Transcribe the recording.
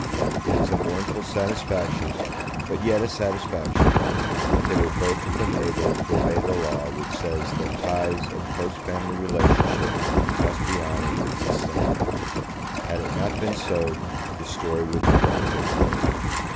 It is a mournful satisfaction, but yet a satisfaction, that they were both of them able to obey the law which says that ties of close family relationship must be honoured and sustained. Had it not been so, this story would never have been told.